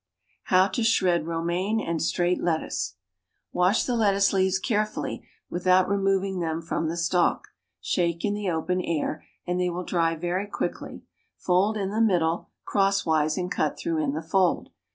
=How to Shred Romaine and Straight Lettuce.= Wash the lettuce leaves carefully, without removing them from the stalk; shake in the open air, and they will dry very quickly; fold in the middle, crosswise, and cut through in the fold.